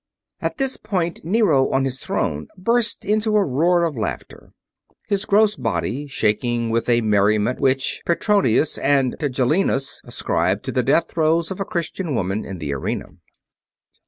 (At this point Nero on his throne burst into a roar of laughter, his gross body shaking with a merriment which Petronius and Tigellinus ascribed to the death throes of a Christian woman in the arena.)